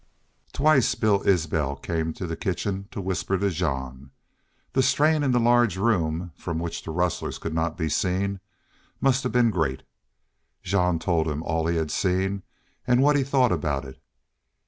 Twice Bill Isbel came through the kitchen to whisper to Jean. The strain in the large room, from which the rustlers could not be seen, must have been great. Jean told him all he had seen and what he thought about it.